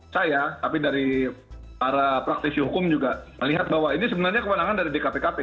saya tapi dari para praktisi hukum juga melihat bahwa ini sebenarnya kewenangan dari dkpkp